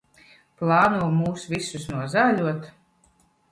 Plāno mūs visus nozāļot?